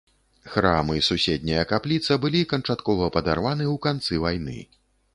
Храм і суседняя капліца былі канчаткова падарваны ў канцы вайны.